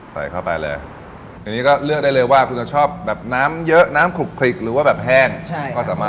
ใส่เข้าไปเลยทีนี้ก็เลือกได้เลยว่าคุณจะชอบแบบน้ำเยอะน้ำขลุกคลิกหรือว่าแบบแห้งใช่ก็สามารถ